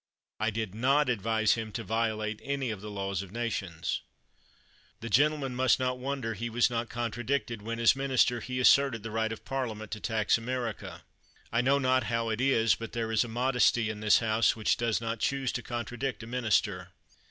I did not advise him to violate any of the laws of nations. The gentleman must not wonder he was not contradicted when, as minister, he asserted the right of Parliament to tax America. I know not how it is, but there is a modesty in this House which does not choose to contradict a minister.